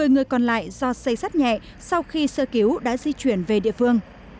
một mươi người còn lại do xây sắt nhẹ sau khi sơ cứu đã di chuyển về địa phương